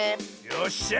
よっしゃ！